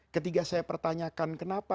ketika saya pertanyakan kenapa